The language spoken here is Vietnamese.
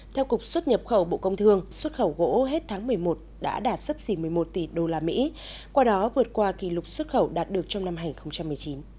theo cục xuất nhập khẩu bộ công thương xuất khẩu gỗ hết tháng một mươi một đã đạt sấp xỉ một mươi một tỷ usd qua đó vượt qua kỷ lục xuất khẩu đạt được trong năm hai nghìn một mươi chín